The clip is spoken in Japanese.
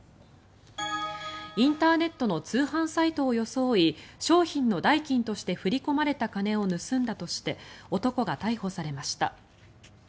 インターネットの通販サイトを装い商品の代金として振り込まれた金を盗んだとして男が逮捕されました。